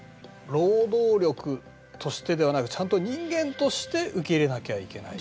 労働力としてではなくちゃんと人間として受け入れなきゃいけない。